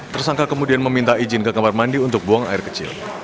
tersangka kemudian meminta izin ke kamar mandi untuk buang air kecil